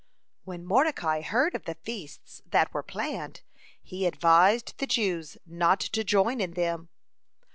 When Mordecai heard of the feasts that were planned, he advised the Jews not to join in them.